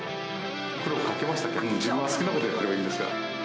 苦労かけましたけど、自分は好きなことやっていればいいんですから。